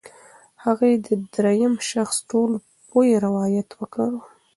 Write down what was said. هغې د درېیم شخص ټولپوه روایت وکاراوه.